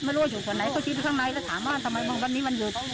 ไม่รู้ว่าอยู่ส่วนไหนเขาชี้ไปข้างในแล้วถามว่าทำไมวันนี้มันหยุด